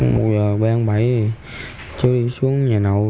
một giờ ba h ba mươi cháu đi xuống nhà nậu